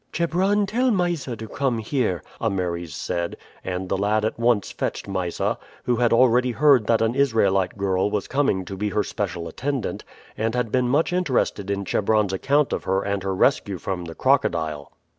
"Chebron, tell Mysa to come here," Ameres said, and the lad at once fetched Mysa, who had already heard that an Israelite girl was coming to be her special attendant, and had been much interested in Chebron's account of her and her rescue from the crocodile.